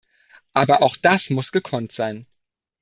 Aber auch das muss gekonnt sein.